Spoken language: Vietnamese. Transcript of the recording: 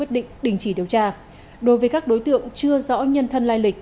định đình chỉ điều tra đối với các đối tượng chưa rõ nhân thân lai lịch